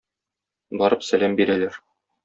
Барып сәлам бирәләр.